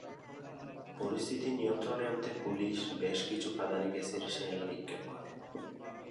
পরিস্থিতি নিয়ন্ত্রণে আনতে পুলিশ বেশ কিছু কাঁদানে গ্যাসের শেল নিক্ষেপ করে।